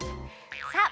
さあ